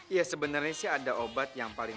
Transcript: ya sebenarnya sih ada obat yang paling